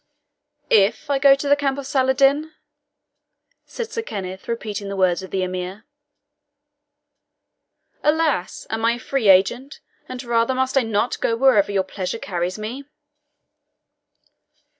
"IF I go to the camp of Saladin?" said Sir Kenneth, repeating the words of the Emir; "alas! am I a free agent, and rather must I NOT go wherever your pleasure carries me?"